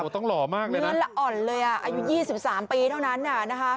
ต้องหล่อมากเลยนะเงินละอ่อนเลยอ่ะอายุ๒๓ปีเท่านั้น